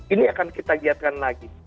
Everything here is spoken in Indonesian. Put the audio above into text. ini akan kita giatkan lagi